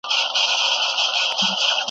ښيي .